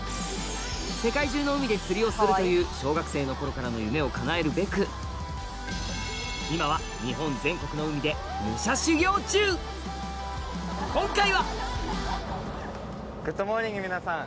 世界中の海で釣りをするという小学生の頃からの夢をかなえるべく今は今回はグッドモーニング皆さん。